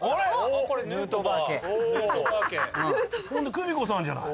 久美子さんじゃない。